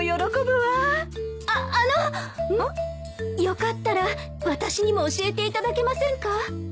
よかったら私にも教えていただけませんか？